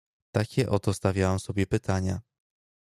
"Takie oto stawiałem sobie pytania."